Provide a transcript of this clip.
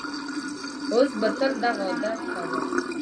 اوس به تل دغه عادت کوم.